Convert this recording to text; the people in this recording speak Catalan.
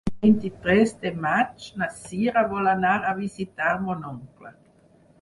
El vint-i-tres de maig na Cira vol anar a visitar mon oncle.